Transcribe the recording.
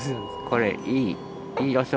これいい。